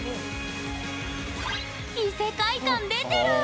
異世界感、出てる！